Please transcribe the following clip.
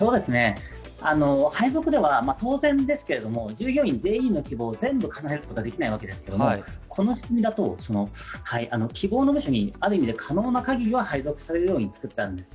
配属では当然ですけど、従業員全員の希望を全部かなえることはできないわけですけれども、この仕組みだと、希望の部署にある意味で可能なかぎり配属されるように作ってあるんです。